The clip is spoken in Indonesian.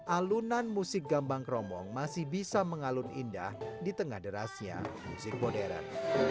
alunan musik gambang kromong masih bisa mengalun indah di tengah derasnya musik modern